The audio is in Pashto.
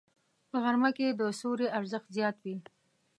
په غرمه کې د سیوري ارزښت زیات وي